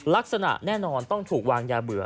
ลักษณะแน่นอนต้องถูกวางยาเบื่อ